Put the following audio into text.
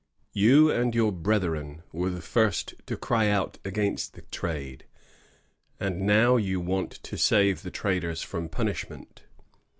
*^You and your brethren were the first to cry out against the trade, and now you want to save the traders from punishment.